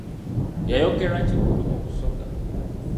Yayokerwa Kigulu mu Busoga.